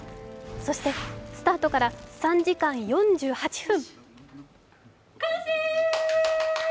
そしてスタートから３時間４８分。